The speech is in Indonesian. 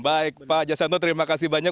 baik pak jasanto terima kasih banyak